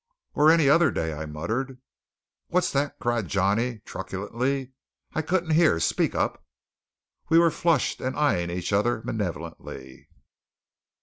"Or any other day," I muttered. "What's that?" cried Johnny truculently. "I couldn't hear. Speak up!" We were flushed, and eying each other malevolently.